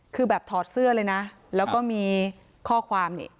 คือแบบถอดเสื้อเลยนะแล้วก็มีข้อความนี่